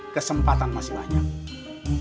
kesempatan masih banyak